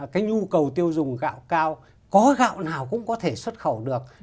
cái nhu cầu tiêu dùng gạo cao có gạo nào cũng có thể xuất khẩu được